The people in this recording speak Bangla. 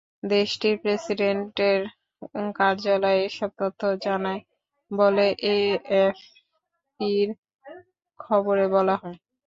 দেশটির প্রেসিডেন্টের কার্যালয় এসব তথ্য জানায় বলে এএফপির খবরে বলা হয়।